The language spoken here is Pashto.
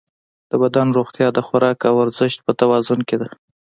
د بدن روغتیا د خوراک او ورزش په توازن کې ده.